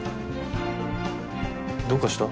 どうかした？